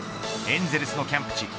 エンゼルスのキャンプ地